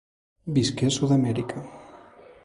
Visqué a Sud-amèrica.